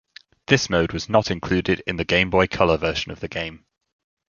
This mode was not included in the Game Boy Color version of the game.